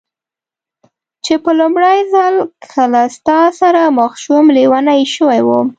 چې په لومړي ځل کله ستا سره مخ شوم، لېونۍ شوې وم.